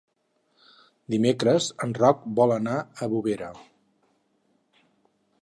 Dimecres en Roc vol anar a Bovera.